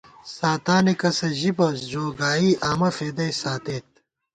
ساتانےکسہ ژِی بہ ، ژو گائی آمہ فېدَئی ساتېت